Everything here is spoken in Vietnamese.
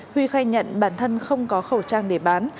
huy khai nhận bản thân không có khẩu trang để bán